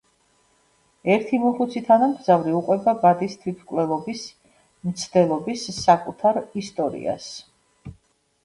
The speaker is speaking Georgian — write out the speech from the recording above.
ერთი მოხუცი თანამგზავრი უყვება ბადის თვითმკვლელობის მცდელობის საკუთარ ისტორიას.